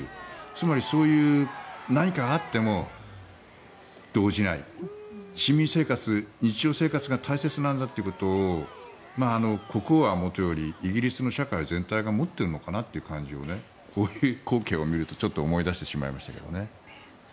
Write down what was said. つまりそういう何かがあっても動じない市民生活、日常生活が大切なんだということを国王はもとよりイギリスの社会全体が持っているのかなという感じをこういう光景を見ると思い出してしまいました。